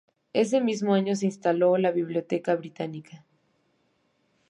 Ése mismo año se instaló la Biblioteca Británica.